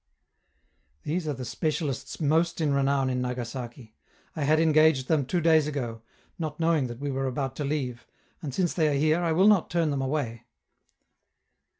These are the specialists most in renown in Nagasaki; I had engaged them two days ago, not knowing that we were about to leave, and since they are here I will not turn them away.